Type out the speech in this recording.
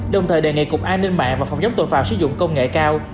đồng thời đề nghị cục an ninh mạng và phòng chống tội phạm sử dụng công nghệ cao